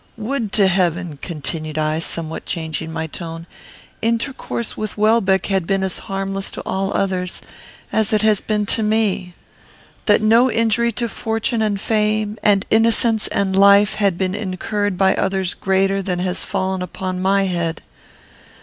"Would to heaven," continued I, somewhat changing my tone, "intercourse with Welbeck had been as harmless to all others as it has been to me! that no injury to fortune and fame, and innocence and life, had been incurred by others greater than has fallen upon my head!